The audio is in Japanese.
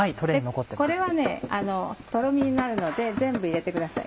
これはトロミになるので全部入れてください。